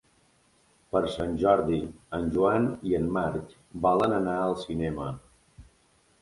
Per Sant Jordi en Joan i en Marc volen anar al cinema.